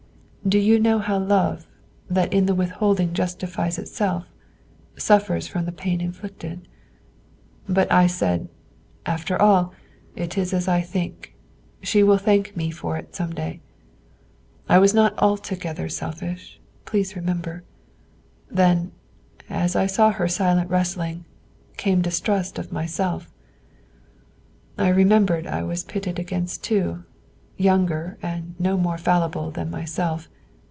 Do you know how love, that in the withholding justifies itself, suffers from the pain inflicted? But I said, 'After all, it is as I think; she will thank me for it some day.' I was not altogether selfish, please remember. Then, as I saw her silent wrestling, came distrust of myself; I remembered I was pitted against two, younger and no more fallible than myself.